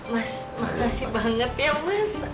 mas makasih banget ya mas